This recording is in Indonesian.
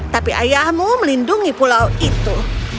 tapi ayahmu melindungi pulau itu